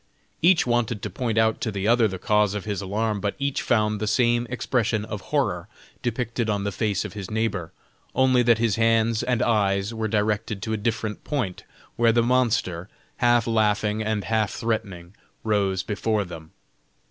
Each wanted to point out to the other the cause of his alarm, but each found the same expression of horror depicted on the face of his neighbor, only that his hands and eyes were directed to a different point where the monster, half laughing and half threatening, rose before him.